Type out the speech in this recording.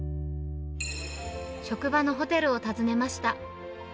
職場のホテルを訪ねました。